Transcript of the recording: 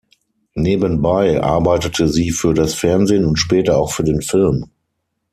Nebenbei arbeitete sie für das Fernsehen und später auch für den Film.